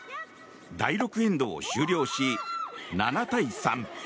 第６エンドを終了し７対３。